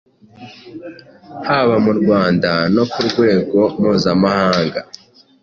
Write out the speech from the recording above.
haba mu Rwanda no ku wego mpuzamahanga,